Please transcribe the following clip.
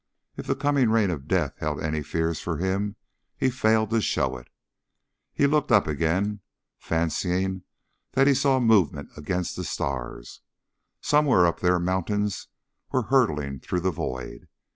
If the coming rain of death held any fears for him he failed to show it. He looked up again, fancying that he saw movement against the stars. Somewhere up there mountains were hurtling through the void.